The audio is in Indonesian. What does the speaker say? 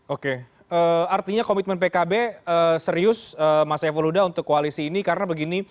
oke artinya komitmen pkb serius mas evoluda untuk koalisi ini karena begini